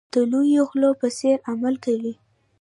د لویو غلو په څېر عمل کوي.